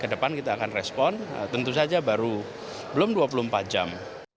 kedepan kita akan respon tentu saja baru belum dua puluh empat jam